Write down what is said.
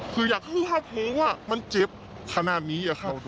คืออยากคิดว่าเพราะว่ามันเจ็บขนาดนี้